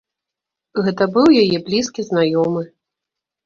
Гэта быў яе блізкі знаёмы.